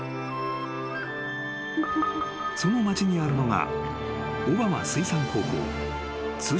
［その町にあるのが］